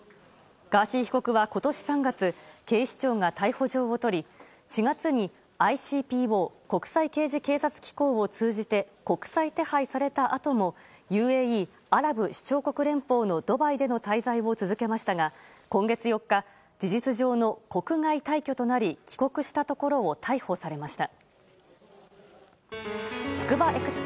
ガーシー被告は今年３月、警視庁が逮捕状を取り４月に、ＩＣＰＯ・国際刑事警察機構を通じて国際手配されたあともＵＡＥ・アラブ首長国連邦のドバイでの滞在を続けましたが今月４日事実上の国外退去となり帰国したところを逮捕されました。